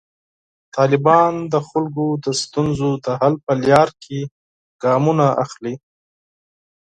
طالبان د خلکو د ستونزو د حل په لاره کې ګامونه اخلي.